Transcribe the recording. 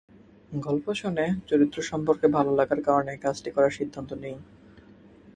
গল্প শুনে চরিত্র সম্পর্কে ভালো লাগার কারণে কাজটি করার সিদ্ধান্ত নিই।